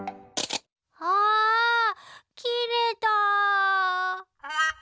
あきれた。